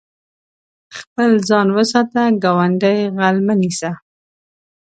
خپل ځان وساته، ګاونډی غل مه نيسه.